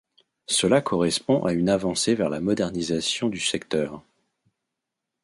Cela correspond à une avancée vers la modernisation du secteur.